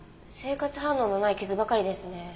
生活反応のない傷ばかりですね。